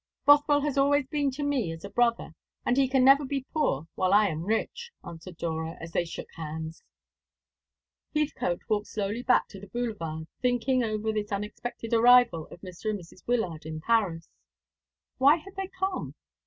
"Bothwell has always been to me as a brother and he can never be poor while I am rich," answered Dora, as they shook hands. Heathcote walked slowly back to the Boulevard, thinking over this unexpected arrival of Mr. and Mrs. Wyllard in Paris. Why had they come?